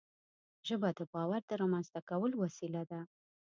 ژبه د باور د رامنځته کولو وسیله ده